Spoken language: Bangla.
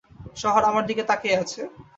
শহর আমার দিকে তাকিয়ে আছে।